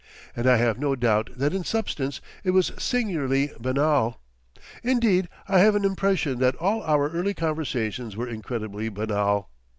And I have no doubt that in substance it was singularly banal. Indeed I have an impression that all our early conversations were incredibly banal.